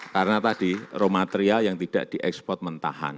karena tadi raw material yang tidak diekspor mentahan